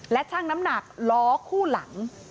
และช่างน้ำหนักล้อคู่หลัง